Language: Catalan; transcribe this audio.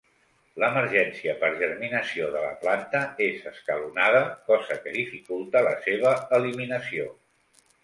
L'emergència per germinació de la planta és escalonada cosa que dificulta la seva eliminació.